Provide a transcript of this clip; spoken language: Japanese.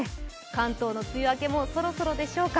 関東の梅雨明けもそろそろでしょうか。